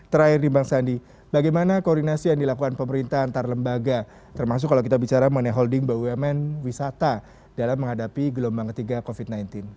terakhir di bang sandi bagaimana koordinasi yang dilakukan pemerintah antar lembaga termasuk kalau kita bicara mengenai holding bumn wisata dalam menghadapi gelombang ketiga covid sembilan belas